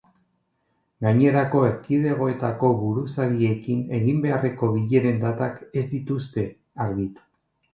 Gainerako erkidegoetako buruzagiekin egin beharreko bileren datak ez dituzte argitu.